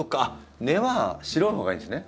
根は白いほうがいいんですね？